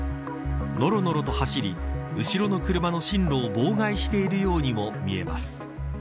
のろのろと走り後ろの車の進路を妨害しているようにも見えます。